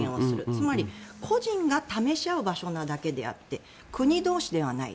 つまり、個人が試し合う場所なだけであって国同士ではない。